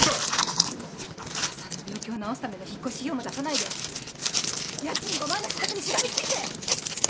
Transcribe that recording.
お母さんの病気を治すための引っ越し費用も出さないで家賃５万の社宅にしがみついて。